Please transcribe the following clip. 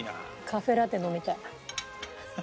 カフェラテ飲みたい。